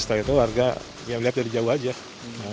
setelah itu warga melihat dari jauh saja